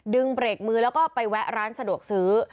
เบรกมือแล้วก็ไปแวะร้านสะดวกซื้อ